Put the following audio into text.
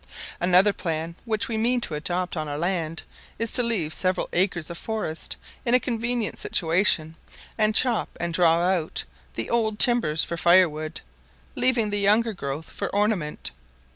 Another plan which we mean to adopt on our land is to leave several acres of forest in a convenient situation, and chop and draw out the old timbers for fire wood, leaving the younger growth for ornament.